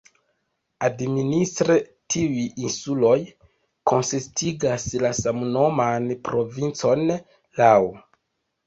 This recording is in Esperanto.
Administre tiuj insuloj konsistigas la samnoman provincon "Lau".